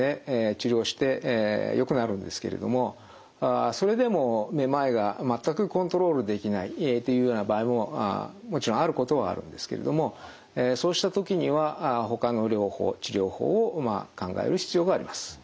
治療してよくなるんですけれどもそれでもめまいが全くコントロールできないっていうような場合ももちろんあることはあるんですけれどもそうした時にはほかの療法治療法を考える必要があります。